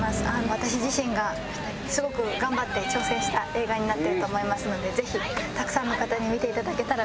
私自身がすごく頑張って挑戦した映画になってると思いますのでぜひたくさんの方に見て頂けたら嬉しいです。